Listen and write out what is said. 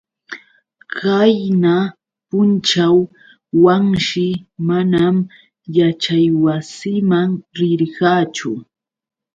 Qayna punćhaw Wanshi manam yaćhaywasiman rirqachu.